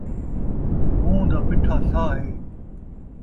مون٘ہہ دا مٹھا ساہ ہے